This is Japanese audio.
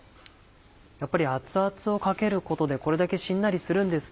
やっぱり熱々をかけることでこれだけしんなりするんですね。